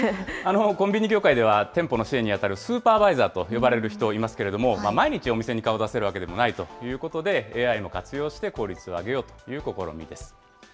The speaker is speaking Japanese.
コンビニ業界では、店舗の支援に当たるスーパーバイザーと呼ばれる人おりますけれども、毎日お店に顔を出せるわけでもないということで、ＡＩも活用して効率を上げようという試みです。